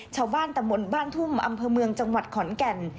ชาวบ้านตำบลบ้านทุ่มอำเภอเมืองจังหวัดขอนแก่น